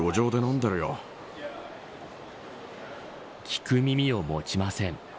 聞く耳を持ちません。